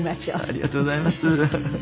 ありがとうございます。